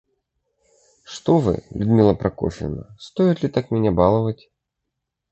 Что Вы, Людмила Прокофьевна, стоит ли так меня баловать?